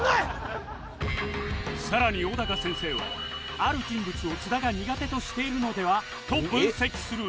更に小高先生はある人物を津田が苦手としているのでは？と分析する